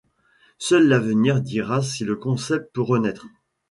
Seul l'avenir dira si le concept peut renaître.